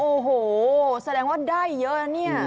โอ้โหแสดงว่าได้เยอะนะเนี่ย